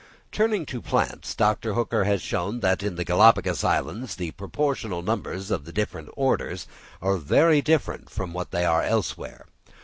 Turning to plants, Dr. Hooker has shown that in the Galapagos Islands the proportional numbers of the different orders are very different from what they are elsewhere.